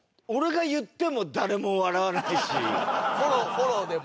フォローでも。